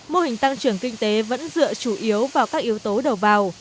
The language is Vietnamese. mô hình tăng trưởng kinh tế vẫn dựa chủ yếu vào các yếu tố đầu vào